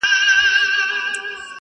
اوس به چيري د زلميو څڼي غورځي!.